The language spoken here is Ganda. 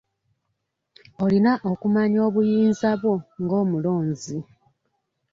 Olina okumanya obuyinza bwo ng'omulonzi.